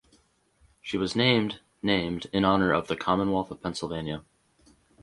She was named named in honour of the Commonwealth of Pennsylvania.